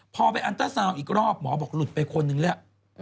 พอไปอันเตอร์ซาวน์อีกรอบหมอบอกหลุดไปคนนึงแล้ว